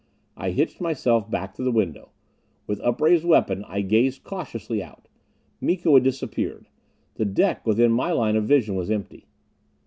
I hitched myself back to the window. With upraised weapon I gazed cautiously out. Miko had disappeared. The deck within my line of vision was empty.